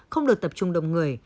không được tập trung đồng người